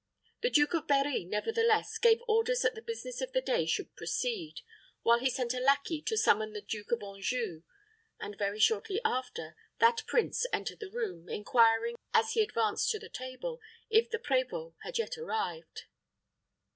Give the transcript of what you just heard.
The Duke of Berri, nevertheless, gave orders that the business of the day should proceed, while he sent a lackey to summon the Duke of Anjou; and very shortly after, that prince entered the room, inquiring, as he advanced to the table, if the prévôt had yet arrived.